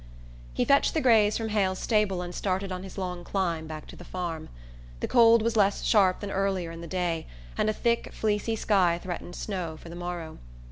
He fetched the grays from Hale's stable and started on his long climb back to the farm. The cold was less sharp than earlier in the day and a thick fleecy sky threatened snow for the morrow.